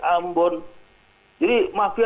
ambon jadi mafia